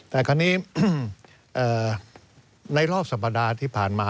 แต่คราวนี้ในรอบสัปดาห์ที่ผ่านมา